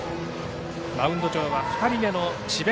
マウンド上は２人目の智弁